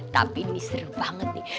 tapi ini seru banget nih